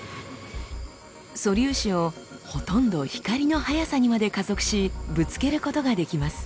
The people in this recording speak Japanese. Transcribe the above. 素粒子をほとんど光の速さにまで加速しぶつけることができます。